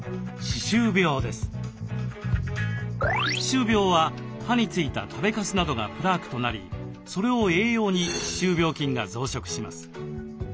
歯周病は歯についた食べかすなどがプラークとなりそれを栄養に歯周病菌が増殖します。